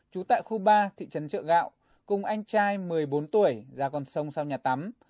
trú tại khu ba thị trấn trợ gạo cùng anh trai một mươi bốn tuổi ra con sông sau nhà tắm